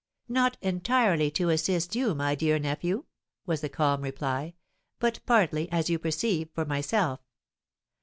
"Not entirely to assist you, my dear nephew," was the calm reply; "but partly, as you perceive, for myself.